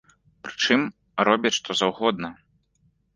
Прычым, робяць што заўгодна.